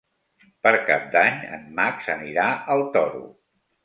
Per Cap d'Any en Max anirà al Toro.